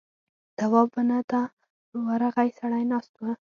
تواب ونه ته ورغی سړی ناست و.